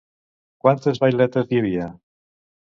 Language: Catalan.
Quantes vailetes hi havia?